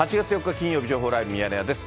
金曜日、情報ライブミヤネ屋です。